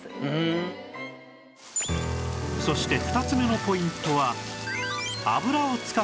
そして２つ目のポイントは